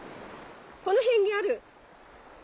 この辺にある！